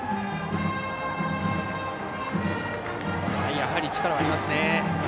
やはり力はありますね。